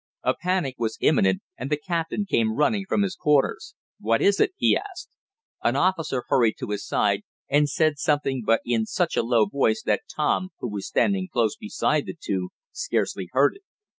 A panic was imminent, and the captain came running from his quarters. "What is it?" he asked. An officer hurried to his side, and said something but in such a low voice that Tom, who was standing close beside the two, scarcely heard it.